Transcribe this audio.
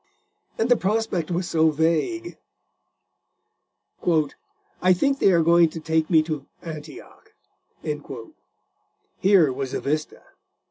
And the prospect was so vague:—"I think they are going to take me to Antioch:" here was a vista!